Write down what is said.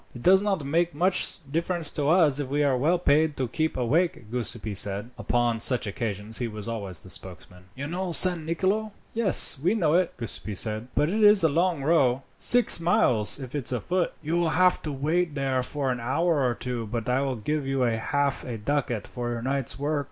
"It does not make much difference to us, if we are well paid, to keep awake," Giuseppi said. Upon such occasions he was always the spokesman. "You know San Nicolo?" "Yes, I know it," Giuseppi said; "but it is a long row six miles, if it's a foot." "You will have to wait there for an hour or two, but I will give you half a ducat for your night's work."